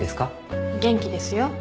元気ですよ。